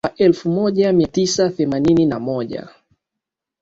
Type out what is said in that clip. Mwaka wa elfu moja mia tisa themanini na moja